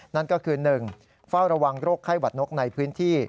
นั่นก็คือ๑เฝ้าระวังโรคไข้หวัดนกในพื้นที่